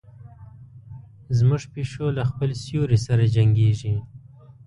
زموږ پیشو له خپل سیوري سره جنګیږي.